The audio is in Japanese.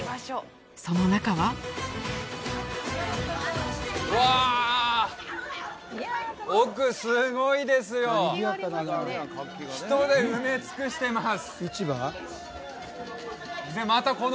その中はうわ奥すごいですよ人で埋め尽くしてます